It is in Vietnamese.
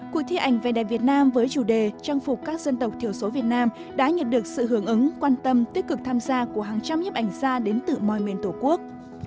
cuộc thi ảnh vẻ đẹp việt nam với chủ đề trang phục các dân tộc thiểu số việt nam đã nhận được sự hưởng ứng quan tâm tích cực tham gia của hàng trăm nhếp ảnh gia đến từ mọi miền tổ quốc